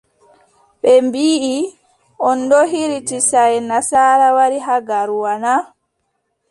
Ɓe mbiʼi on ɗo hiriti saaye nasaara, wari haa Garoua na ?